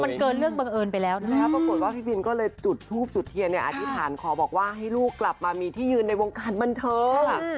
มันเกินเรื่องบังเอิญไปแล้วนะคะปรากฏว่าพี่บินก็เลยจุดทูบจุดเทียนเนี่ยอธิษฐานขอบอกว่าให้ลูกกลับมามีที่ยืนในวงการบันเทิง